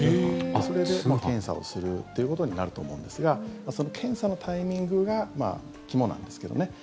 それで検査をするということになると思うんですがその検査のタイミングが肝なんですけどね。